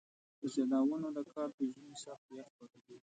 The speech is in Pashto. د سېلاوونو د کال په ژمي سخت يخ ولګېد.